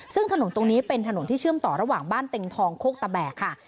ซึ่งถนนตรงนี้เป็นถนนที่เชื่อมต่อระหว่างบ้านเต็งทองโคกตะแบกค่ะ